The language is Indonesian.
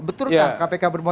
betul kan kpk bermotif politik